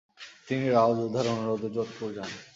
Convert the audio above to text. তিনি রাও যোধার অনুরোধে যোধপুর যান।